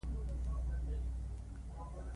ما ورته وویل: د ملتونو مور او پلار، داسې یې یادوي.